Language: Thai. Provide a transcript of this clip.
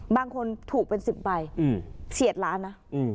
บางคนถูกเป็น๑๐ใบเฉียดล้านนะ